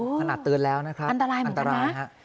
โอ้ขนาดเตือนแล้วนะครับอันตรายเหมือนกันนะเงี่ยวนะครับ